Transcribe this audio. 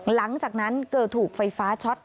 หลังจากนั้นเกิดถูกไฟฟ้าช็อต